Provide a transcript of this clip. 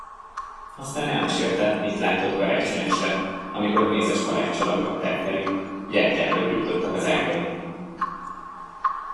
Aztán elmesélte, mit látott karácsony este, amikor mézeskaláccsal aggatták teli, gyertyákat gyújtottak az ágain.